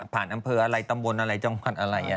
อำเภออะไรตำบลอะไรจังหวัดอะไร